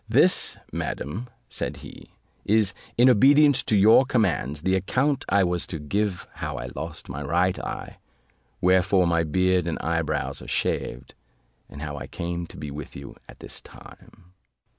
"This, madam," said he, "is, in obedience to your commands, the account I was to give how I lost my right eye, wherefore my beard and eye brows are shaved, and how I came to be with you at this time."